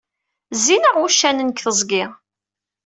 Zzin-aɣ wuccanen deg teẓgi!